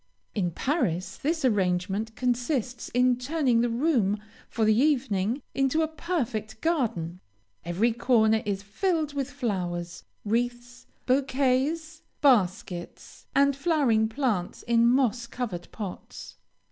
In Paris this arrangement consists in turning the room, for the evening, into a perfect garden. Every corner is filled with flowers. Wreaths, bouquets, baskets, and flowering plants in moss covered pots.